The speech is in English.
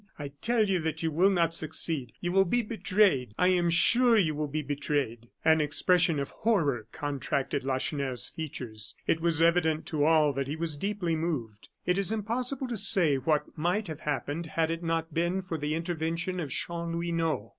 I tell you that you will not succeed; you will be betrayed; I am sure you will be betrayed!" An expression of horror contracted Lacheneur's features. It was evident to all that he was deeply moved. It is impossible to say what might have happened had it not been for the intervention of Chanlouineau.